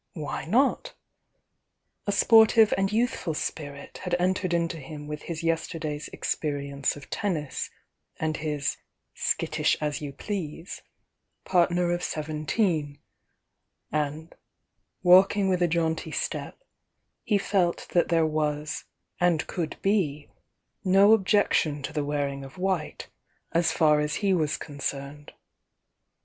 Why not? A sportive and youth ful spirit had entered into him with his yesterday's experience of tennis, and his "skittish as you pleasd" partner of seventeen; and, walking with a jaunty step, he felt that there was, and could be, no ob jection to the wearing of white, as far as he was concerned.